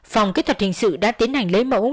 phòng kỹ thuật hình sự đã tiến hành lấy mẫu